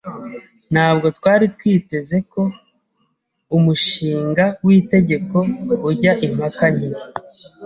Ntabwo twari twiteze ko umushinga w'itegeko ujya impaka nke.